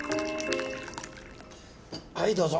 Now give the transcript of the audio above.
はいどうぞ。